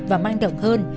và mang động hơn